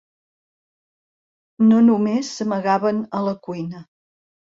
No només s'amagaven a la cuina.